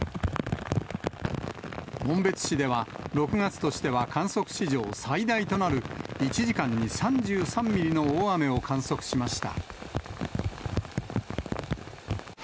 紋別市では、６月としては観測史上最大となる１時間に３３ミリの大雨を観測しました。